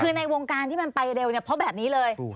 คือในวงการที่มันไปเร็วเนี่ยเพราะแบบนี้เลย